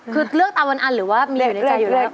คือเลือกตามวันอันหรือว่ามีอยู่ในใจอยู่แล้ว